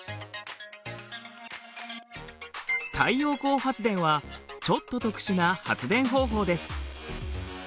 太陽光発電はちょっと特殊な発電方法です。